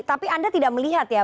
tapi anda tidak melihat ya